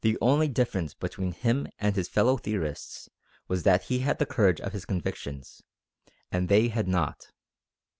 The only difference between him and his fellow theorists was that he had the courage of his convictions, and they had not.